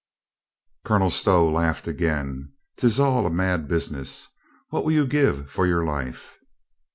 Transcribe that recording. Colonel Stow laughed again. " 'Tis all a mad bus iness. What will you give for your life?"